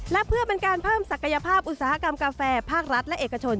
และเพื่อเป็นการเพิ่มศักยภาพอุตสาหกรรมกาแฟภาครัฐและเอกชน